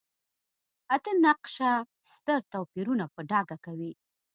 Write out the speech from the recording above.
اته نقشه ستر توپیرونه په ډاګه کوي.